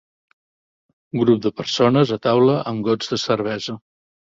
Un grup de persones a taula amb gots de cervesa.